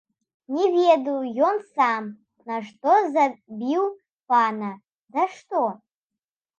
Не ведаў ён сам, нашто забіў пана, за што.